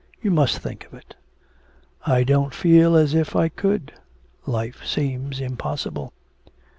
You must think of it.' 'I don't feel as if I could. Life seems impossible.'